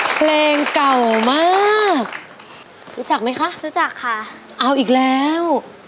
เพลงเก่ามากรู้จักไหมคะรู้จักค่ะเอาอีกแล้ว